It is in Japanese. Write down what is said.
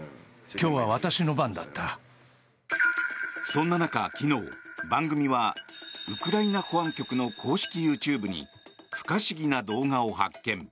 そんな中昨日、番組はウクライナ保安局の公式ＹｏｕＴｕｂｅに不可思議な動画を発見。